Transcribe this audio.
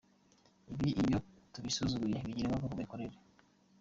Ibi iyo tubisuzuguye bigira ingaruka ku mikorere”.